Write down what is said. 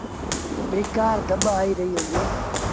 بيڪآر ڌپ آئي رهيٚ هُݩديٚ۔